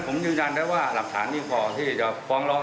ผมยืนยันได้ว่าหลักฐานนี้พอที่จะฟ้องร้อง